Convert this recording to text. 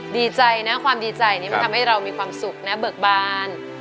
ดีใจนะความดีใจนี้มันทำให้เรามีความสุขนะเบิกบาน